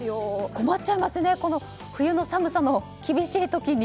困っちゃいますねこの冬の寒さの厳しい時に。